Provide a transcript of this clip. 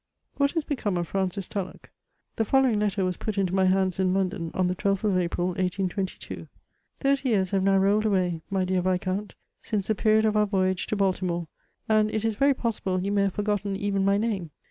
What is become of Francis TuUoch ? The following letter was put into my hands in London on the 12th of April, 1822 : CHATEAUBRIAND. 253 *• Thirty years have now rolled away, my dear Viscount, since the period of pur voyage to Baltimore ; and it is very possible you may have forgotten even my name.